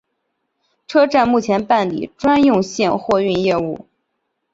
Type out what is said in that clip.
车站目前办理专用线货运业务。